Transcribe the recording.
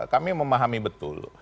kami memahami betul